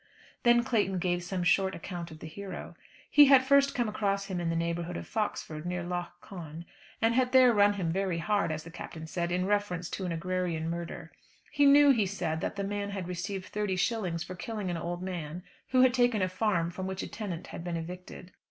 Then Clayton gave some short account of the hero. He had first come across him in the neighbourhood of Foxford near Lough Conn, and had there run him very hard, as the Captain said, in reference to an agrarian murder. He knew, he said, that the man had received thirty shillings for killing an old man who had taken a farm from which a tenant had been evicted.